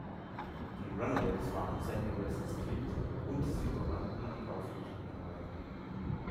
Die Runaways waren Sandy Wests Kind und sie überwand nie die Auflösung ihrer Band.